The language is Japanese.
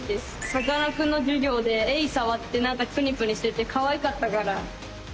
さかなクンの授業でエイ触って何かぷにぷにしててかわいかったから。